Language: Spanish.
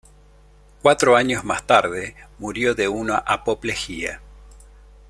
Cuatro años más tarde murió de una apoplejía.